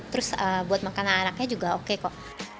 terus buat makanan anaknya juga oke kok